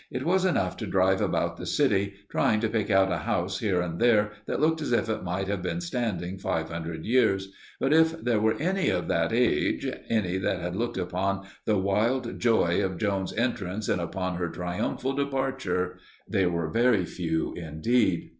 It was enough to drive about the city, trying to pick out a house here and there that looked as if it might have been standing five hundred years, but if there were any of that age any that had looked upon the wild joy of Joan's entrance and upon her triumphal departure, they were very few indeed.